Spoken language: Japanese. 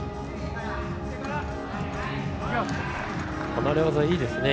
離れ技いいですね。